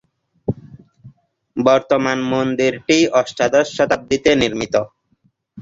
বর্তমান মন্দিরটি অষ্টাদশ শতাব্দীতে নির্মিত।